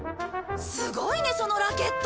すごいねそのラケット。